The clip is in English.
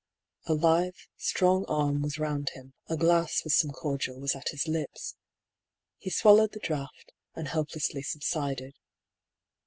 A lithe strong arm was round him, a glass with some cordial was at his lips. He swallowed the draught, and helplessly subsided.